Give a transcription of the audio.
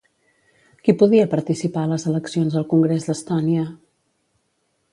Qui podia participar a les eleccions al Congrés d'Estònia?